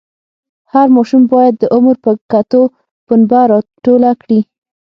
هر ماشوم باید د عمر په کتو پنبه راټوله کړي.